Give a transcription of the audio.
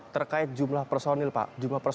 terkait jumlah personil pak